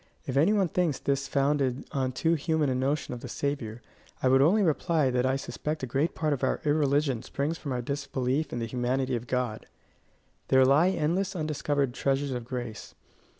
If any one thinks this founded on too human a notion of the Saviour, I would only reply that I suspect a great part of our irreligion springs from our disbelief in the humanity of God. There lie endless undiscovered treasures of grace.